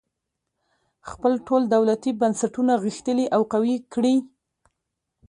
خپل ټول دولتي بنسټونه غښتلي او قوي کړي.